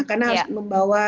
karena harus membawa